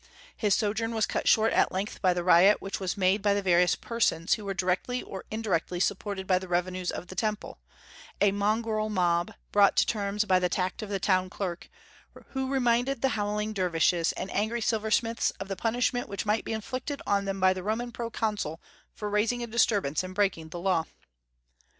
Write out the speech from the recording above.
His sojourn was cut short at length by the riot which was made by the various persons who were directly or indirectly supported by the revenues of the Temple, a mongrel mob, brought to terms by the tact of the town clerk, who reminded the howling dervishes and angry silversmiths of the punishment which might be inflicted on them by the Roman proconsul for raising a disturbance and breaking the law.